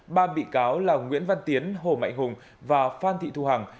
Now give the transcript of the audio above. ba bị cáo là nguyễn văn tiến hồ mạnh hùng và phan thị thu hằng